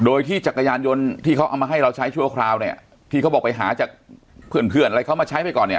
โดยที่จักรยานยนต์ที่เขาเอามาให้เราใช้ชั่วคราวเนี่ยที่เขาบอกไปหาจากเพื่อนเพื่อนอะไรเขามาใช้ไปก่อนเนี่ย